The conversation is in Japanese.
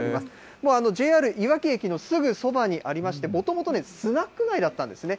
もう、ＪＲいわき駅のすぐそばにありまして、もともとスナック街だったんですね。